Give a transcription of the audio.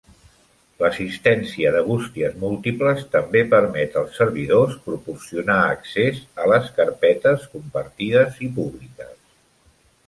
L'assistència de bústies múltiples també permet als servidors proporcionar accés a les carpetes compartides i públiques.